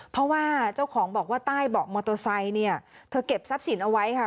เพราะว่าเจ้าของบอกว่าใต้เบาะมอเตอร์ไซค์เนี่ยเธอเก็บทรัพย์สินเอาไว้ค่ะ